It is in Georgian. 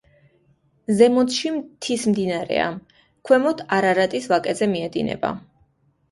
ზემოთში მთის მდინარეა, ქვემოთ არარატის ვაკეზე მიედინება.